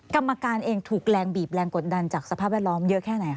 กรรมการเองถูกแรงบีบแรงกดดันจากสภาพแวดล้อมเยอะแค่ไหนค